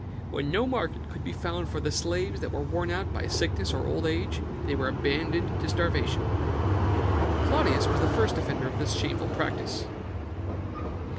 When no market could be found for the slaves that were worn out by sickness or old age, they were abandoned to starvation. Claudius was the first defender of this shameful practice."